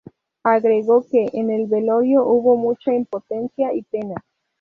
Agregó que "en el velorio hubo mucha impotencia y pena".